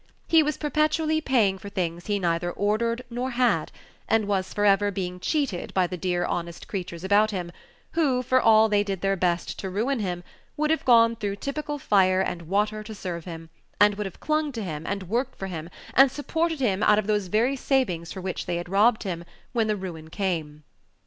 He was perpetually paying for things he neither ordered nor had, and was for ever being cheated by the dear honest creatures about him, who, for all they did their best to ruin him, would have gone through typical fire and water to serve him, and would have clung to him, and worked for him, and supported him out of those very savings for which they had robbed him, when the ruin came.